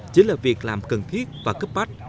chỉ là việc làm cần thiết và cấp bách